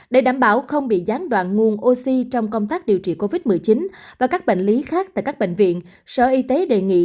để đảm bảo không bị gián đoạn nguồn oxy trong công tác điều trị covid một mươi chín và các bệnh lý khác tại các bệnh viện sở y tế đề nghị